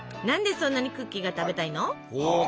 何でそんなにクッキーが食べたいの？